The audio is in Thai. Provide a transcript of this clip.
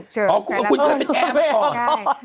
ใช่คุณเคยเป็นแอร์เมื่อก่อน